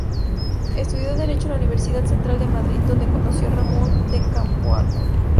Estudió Derecho en la Universidad Central de Madrid, donde conoció a Ramón de Campoamor.